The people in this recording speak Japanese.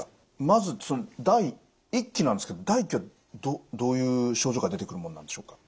まずその第１期なんですけど第１期はどういう症状が出てくるもんなんでしょうか？